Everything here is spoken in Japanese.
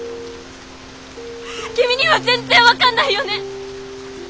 君には全然分かんないよね！